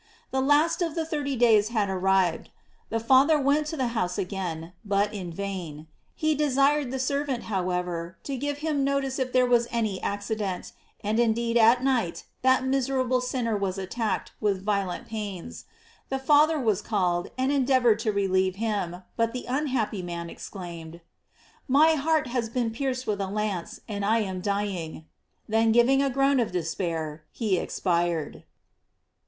The last of the thirty days had arrived, the Father went to the house again, but in vain ; he desired the servant, however, to give him notice if there was any ac cident ; and indeed at night that miserable sinner * Chron. Dul. to. 1, del Labbeo. e il P. Rho. es. 27. GLOEIES OP MARY. 70S was attacked with violent pains. The Father was called, and endeavored to relieve him, but the unhappy man exclaimed : "My heart has been pierced with a lance, and I ain dying. Then giving a groan of despair, he expired.